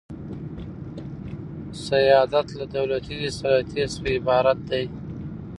سیادت له دولتي سلطې څخه عبارت دئ.